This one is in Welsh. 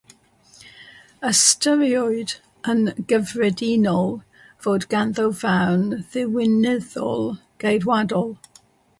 Ystyriwyd yn gyffredinol fod ganddo farn ddiwinyddol geidwadol.